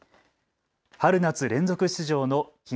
春夏連続出場の東